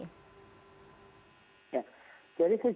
khususnya yang berada di jeddah saat ini